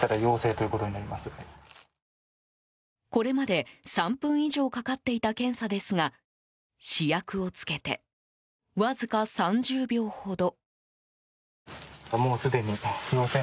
これまで３分以上かかっていた検査ですが試薬をつけてわずか３０秒ほど。